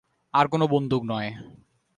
আর কোন বন্দুক নয়।